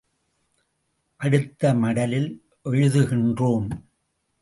அடுத்த மடலில் எழுதுகின்றோம்!